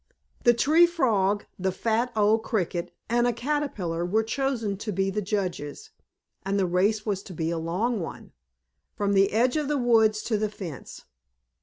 The Tree Frog, the fat, old Cricket, and a Caterpillar were chosen to be the judges, and the race was to be a long one, from the edge of the woods to the fence.